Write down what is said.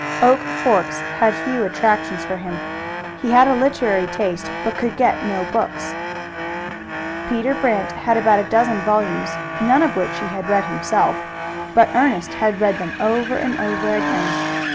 Oak Forks had few attractions for him. He had a literary taste, but could not get books. Peter Brant had about a dozen volumes, none of which he had read himself, but Ernest had read them over and over again.